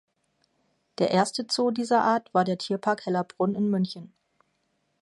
Der erste Zoo dieser Art war der Tierpark Hellabrunn in München.